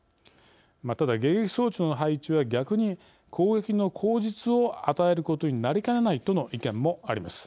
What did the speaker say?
ただ、迎撃装置の配備は逆に攻撃の口実を与えることになりかねないとの意見もあります。